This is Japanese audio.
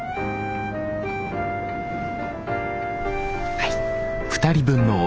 はい。